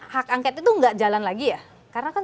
hak angket itu nggak jalan lagi ya karena kan